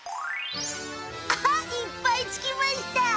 アハッ！いっぱいつきました。